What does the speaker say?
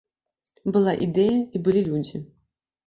Была ідэя і былі людзі.